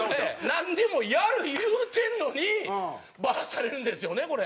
なんでもやる言うてんのにバラされるんですよねこれ。